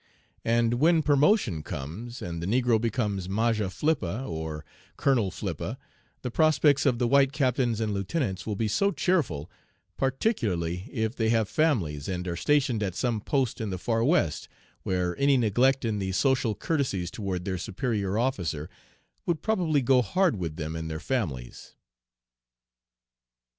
And when promotion comes, and the negro becomes Majah Flippah, or Colonel Flippah, the prospects of the white captains and lieutenants will be so cheerful, particularly if they have families and are stationed at some post in the far West, where any neglect in the social courtesies toward their superior officer would probably go hard with them and their families."